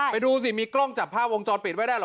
ดูสิมีกล้องจับภาพวงจรปิดไว้ได้เหรอ